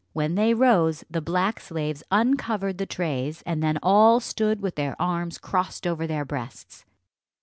When they rose, the black slaves uncovered the trays, and then all stood with their arms crossed over their breasts.